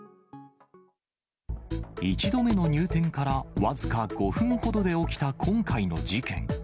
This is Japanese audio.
１度目の入店から僅か５分ほどで起きた今回の事件。